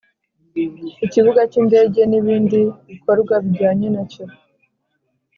ikibuga cy’ indege n ibindi bikorwa bijyanye nacyo